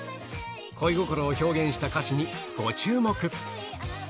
恋心を表現した歌詞にご注目。